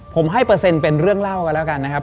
ผมให้เปอร์เซ็นต์เป็นเรื่องเล่ากันแล้วกันนะครับ